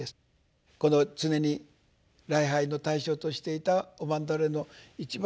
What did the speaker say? この常に礼拝の対象としていたお曼荼羅の一番